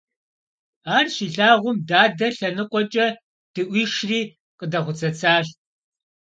Ар щилъагъум, дадэ лъэныкъуэкӀэ дыӀуишри къыдэхъуцэцащ.